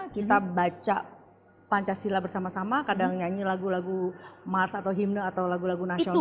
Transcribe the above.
kita baca pancasila bersama sama kadang nyanyi lagu lagu mars atau himne atau lagu lagu nasional